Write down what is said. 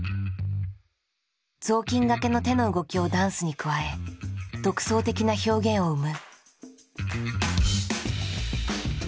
雑巾がけの手の動きをダンスに加え独創的な表現を生む。